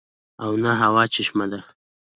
او نه اۤهو چشمه ده